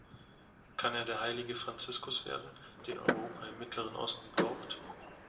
Kann er der Heilige Franziskus werden, den Europa im Mittleren Osten braucht?